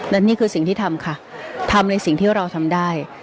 และนี่คือสิ่งที่ทำค่ะทำในสิ่งที่เราทำได้